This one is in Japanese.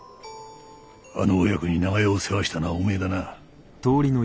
あの親子に長屋を世話したのはお前だな？